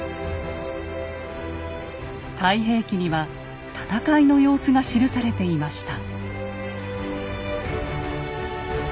「太平記」には戦いの様子が記されていました。